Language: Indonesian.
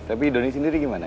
tapi donny sendiri gimana